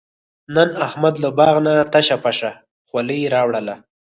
نن احمد له باغ نه تشه پشه ځولۍ راوړله.